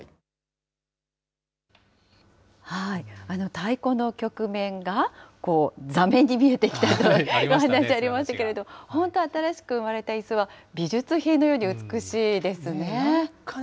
太鼓の曲面が座面に見えてきたとお話ありましたけれども、本当、新しく生まれたいすは、美術品のように美しいですね。